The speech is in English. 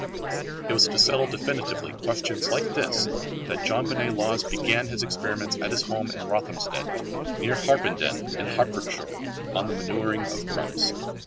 It was to settle definitely questions like this that John Bennet Lawes began his experiments at his home at Rothamsted, near Harpenden in Hertfordshire, on the manuring of crops.